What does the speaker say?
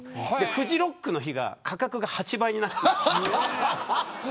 フジロックの日は価格が８倍になるんです。